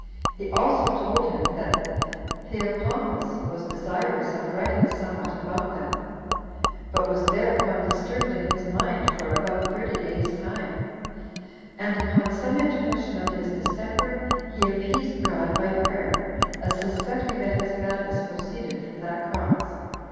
He also told him, that "Theopompus was desirous of writing somewhat about them, but was thereupon disturbed in his mind for above thirty days' time; and upon some intermission of his distemper, he appeased God [by prayer], as suspecting that his madness proceeded from that cause."